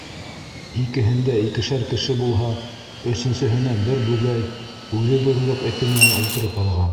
Икеһендә икешәр кеше булһа, өсөнсөһөнә бер бүгәй үҙе ҙурлыҡ эте менән ултырып алған.